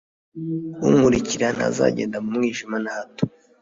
unkurikira ntazagenda mu mwijima na hato,